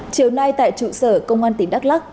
chiều nay tại trụ sở công an tỉnh đắk lắc